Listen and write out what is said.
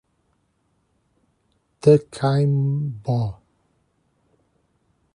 Tacaimbó